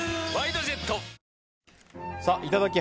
いただき！